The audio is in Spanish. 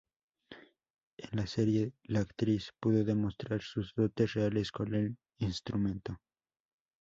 En la serie la actriz pudo demostrar sus dotes reales con el instrumento.